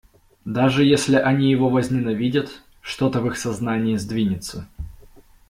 Даже если они его возненавидят, что-то в их сознании сдвинется.